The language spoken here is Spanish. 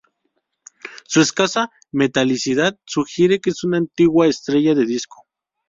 Su escasa metalicidad sugiere que es una antigua estrella de disco.